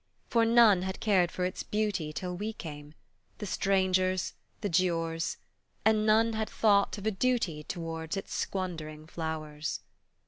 For none had cared for its beauty Till we came, the strangers, the Giaours, And none had thought of a duty Towards its squandering flowers.